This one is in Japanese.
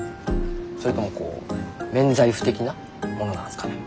それとも免罪符的なものなんすかね。